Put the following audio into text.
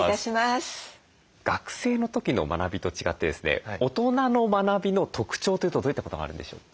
学生の時の学びと違ってですね大人の学びの特徴というとどういったことがあるんでしょう？